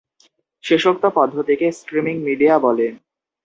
শেষোক্ত পদ্ধতিকে streaming media বলে।